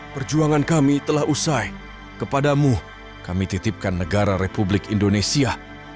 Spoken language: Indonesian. perjuangan kami telah usai kepadamu kami titipkan negara republik indonesia